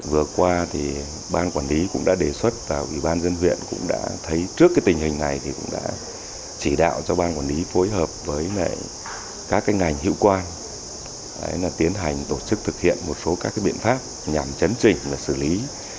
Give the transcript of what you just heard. vừa qua thì ban quản lý cũng đã đề xuất và ủy ban dân huyện cũng đã thấy trước cái tình hình này thì cũng đã chỉ đạo cho ban quản lý phối hợp với các ngành hiệu quan tiến hành tổ chức thực hiện một số các biện pháp nhằm chấn trình và xử lý